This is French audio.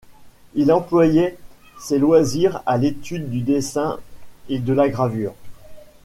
Il employait ses loisirs à l'étude du dessin et de la gravure.